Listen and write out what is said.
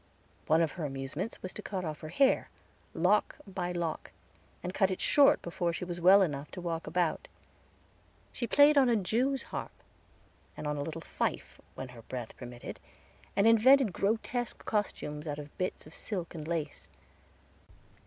One of her amusements was to cut off her hair, lock by lock, and cut it short before she was well enough to walk about. She played on a jewsharp, and on a little fife when her breath permitted, and invented grotesque costumes out of bits of silk and lace.